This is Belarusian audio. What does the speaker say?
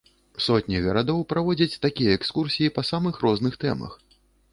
Сотні гарадоў праводзяць такія экскурсіі па самых розных тэмах.